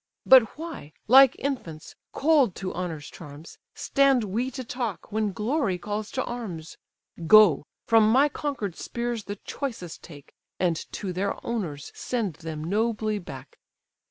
But why, like infants, cold to honour's charms, Stand we to talk, when glory calls to arms? Go—from my conquer'd spears the choicest take, And to their owners send them nobly back."